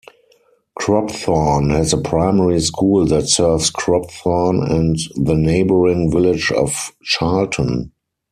Cropthorne has a primary school that serves Cropthorne and the neighbouring village of Charlton.